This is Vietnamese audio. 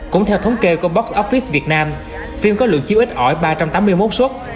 cũng theo thống kê của box office việt nam phim có lượng chiếu ít ỏi ba trăm tám mươi một xuất